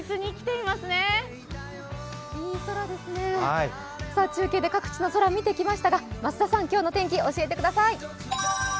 いい空ですね、中継で各地の空を見てきましたが増田さん、今日の天気教えてください。